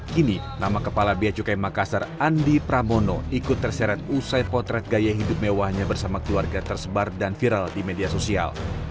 kini nama kepala bia cukai makassar andi pramono ikut terseret usai potret gaya hidup mewahnya bersama keluarga tersebar dan viral di media sosial